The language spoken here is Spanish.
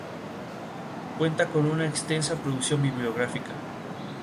Cuenta con una extensa producción bibliográfica.